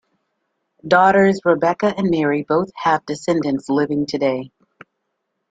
Daughters Rebecca and Mary both have descendants living today.